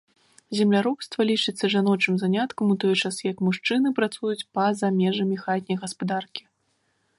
Земляробства лічыцца жаночым заняткам, у той час як мужчыны працуюць па-за межамі хатняй гаспадаркі.